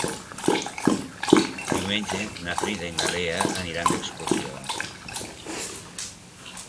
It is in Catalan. Diumenge na Frida i na Lea aniran d'excursió.